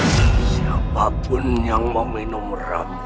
siapapun yang meminum ramad itu